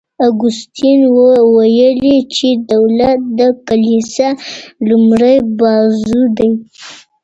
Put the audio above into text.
اګوستین ویلي چي دولت د کلیسا لومړی بازو دی.